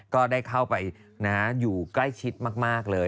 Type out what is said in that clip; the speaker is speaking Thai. ก็ได้เข้าไปอยู่ใกล้ชิดมากเลย